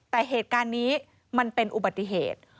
แต่เหตุการณ์นี้มันเป็นอุบัติเหตุ